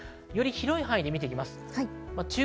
より広い範囲で見ていきます。